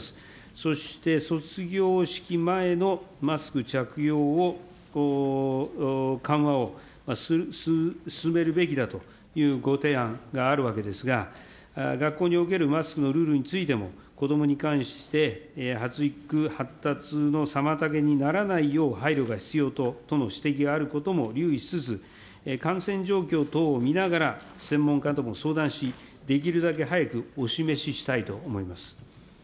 そして、卒業式前のマスク着用を緩和を進めるべきだというご提案があるわけですが、学校におけるマスクのルールについても、子どもに関して発育、発達の妨げにならないよう配慮が必要との指摘があることも留意しつつ、感染状況等を見ながら、専門家とも相談し、できるだけ早くお示ししたいと思います。